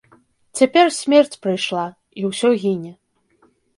Цяпер смерць прыйшла, і ўсё гіне.